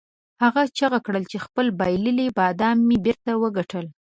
هغه چیغه کړه چې خپل بایللي بادام مې بیرته وګټل.